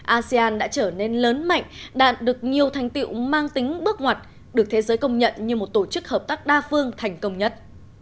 asean đã trở nên lớn mạnh đạt được nhiều thành tiệu mang tính bước ngoặt được thế giới công nhận như một tổ chức hợp tác đa phương thành công nhất